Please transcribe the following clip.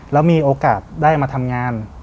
แล้วมีโอกาสได้มาทำงาน